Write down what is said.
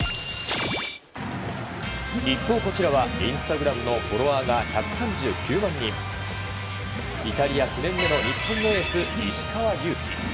一方、こちらはインスタグラムのフォロワーが１３９万人イタリア・プレミアの日本のエース、石川祐希。